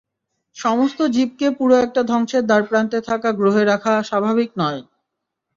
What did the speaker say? সমস্ত জীবকে পুরো একটা ধ্বংসের দ্বারপ্রান্তে থাকা গ্রহে রাখা স্বাভাবিক নয়।